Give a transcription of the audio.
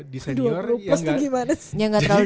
desainer yang gak terlalu